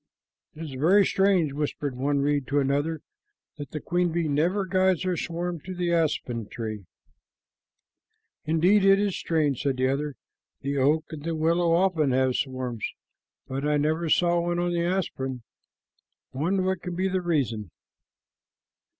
"It is very strange," whispered one reed to another, "that the queen bee never guides her swarm to the aspen tree." "Indeed, it is strange," said the other. "The oak and the willow often have swarms, but I never saw one on the aspen. What can be the reason?"